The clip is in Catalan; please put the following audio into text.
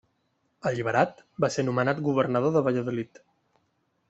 Alliberat, va ser nomenat governador de Valladolid.